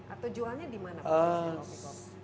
atau jualnya dimana pak buas